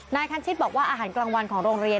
คันชิตบอกว่าอาหารกลางวันของโรงเรียน